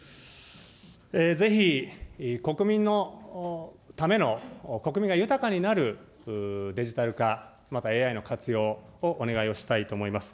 ぜひ、国民のための、国民が豊かになるデジタル化、またＡＩの活用をお願いをしたいと思います。